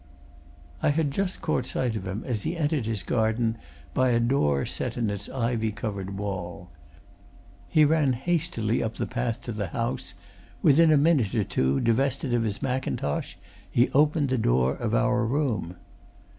I had just caught sight of him as he entered his garden by a door set in its ivy covered wall. He ran hastily up the path to the house within a minute or two, divested of his mackintosh, he opened the door of our room.